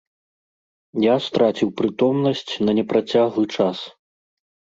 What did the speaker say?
Я страціў прытомнасць на непрацяглы час.